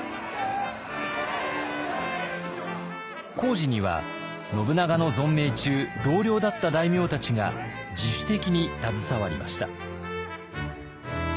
工事には信長の存命中同僚だった大名たちが自主的に携わりました。